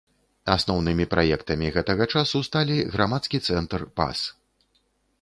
Асноўнымі праектамі гэтага часу сталі грамадскі цэнтр пас.